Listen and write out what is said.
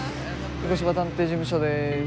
御子柴探偵事務所です。